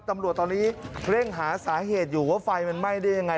ตำรวจตอนนี้เร่งหาสาเหตุอยู่ว่าไฟมันไหม้ได้ยังไง